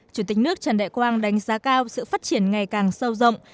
chủ tịch nước trần đại quang đánh giá cao sự phát triển ngày càng sâu rộng